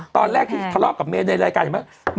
ตอนแรกที่ทะเลาะกับเมย์ในรายการเห็นไหม